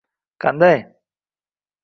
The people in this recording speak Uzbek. Qanday